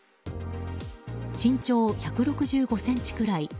身長１６５ｃｍくらい。